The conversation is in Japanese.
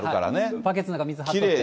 バケツの中に水張って。